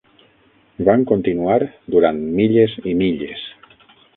Van continuar, durant milles i milles.